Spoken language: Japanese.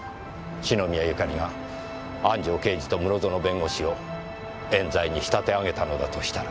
篠宮ゆかりが安城刑事と室園弁護士を冤罪に仕立て上げたのだとしたら。